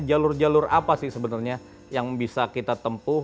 jalur jalur apa sih sebenarnya yang bisa kita tempuh